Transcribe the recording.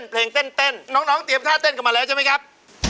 เพลงเต้นน้องเตรียมท่าเต้นกันมาแล้วใช่ไหมครับ